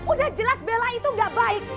udah jelas bela itu gak baik